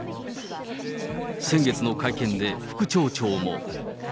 先月の会見で副町長も。